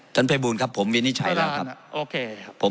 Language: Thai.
ท่านพระบูรณ์ครับผมวินิจฉัยแล้วครับ